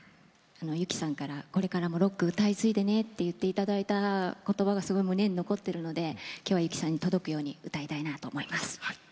ユキさんからこれからもロック歌い継いでねって言って頂いた言葉がすごい胸に残ってるので今日はユキさんに届くように歌いたいなと思います。